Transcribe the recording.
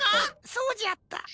そうじゃった。